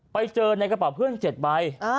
ไปเจอในกระเป๋าเพื่อน๗ใบ